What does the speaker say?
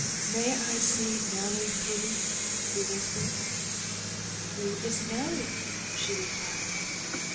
May I see Nelly, please?" he whispered. Who is Nelly?" she replied.